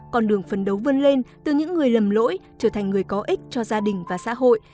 con đường phấn đấu vươn lên từ những người lầm lỗi trở thành người có ích cho gia đình và xã hội